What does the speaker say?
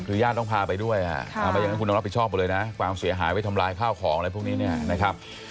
คือย่างนั้นคุณต้องรับผิดชอบเลยนะความเสียหายไว้ทำลายข้าวของอะไรพวกนี้เนี่ยนะครับ